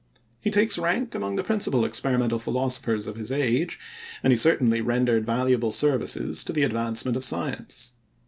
He takes rank among the principal experimental philosophers of his age, and he certainly rendered valuable services to the advancement of science.